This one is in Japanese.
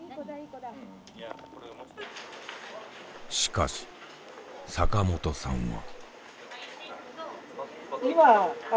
しかし坂本さんは。